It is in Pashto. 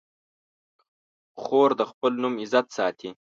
خور د خپل نوم عزت ساتي.